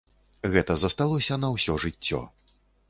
Гэта засталося на ўсё жыццё.